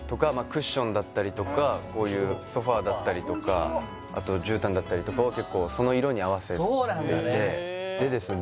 クッションだったりとかこういうソファだったりとかあと絨毯だったりとかは結構その色に合わせててでですね